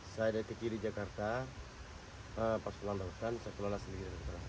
saya dari kekiri jakarta pas pulang ke hutan saya kelola sendiri